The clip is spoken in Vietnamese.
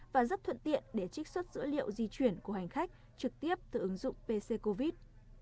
và rất thuận tiện để trích xuất dữ liệu di chuyển của hành khách trực tiếp từ ứng dụng pc covid